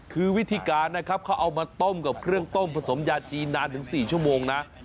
คือวิธีการนะครับเขาเอามาต้มกับเครื่องต้มผสมยาจีนนานถึง๔ชั่วโมงนะ